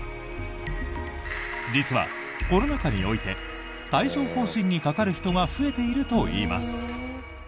実はコロナ禍において帯状疱疹にかかる人が増えているといいます。